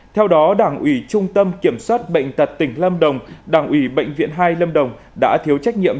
theo đó đảng ủy trung tâm kiểm soát bệnh tật tỉnh lâm đồng đảng ủy bệnh viện hai lâm đồng đã thiếu trách nhiệm